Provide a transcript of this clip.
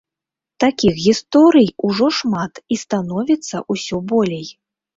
Такіх гісторый ужо шмат, і становіцца ўсё болей.